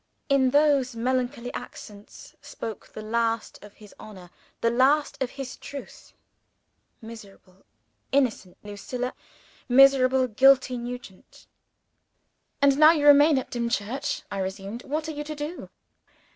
In those melancholy accents, spoke the last of his honor, the last of his truth. Miserable, innocent Lucia! Miserable, guilty Nugent! "And now you remain at Dimchurch," I resumed, "what are you to do?"